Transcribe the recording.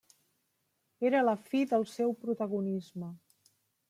Era la fi del seu protagonisme.